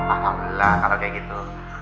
ah alah kalau kayak gitu